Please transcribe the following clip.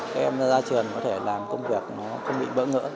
các em ra trường có thể làm công việc nó không bị bỡ ngỡ